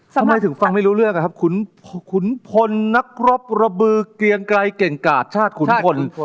ทำไมถึงฟังไม่รู้เรื่องอะครับขุนขุนพลนักรบระบือเกลียงไกรเก่งกาดชาติขุนพล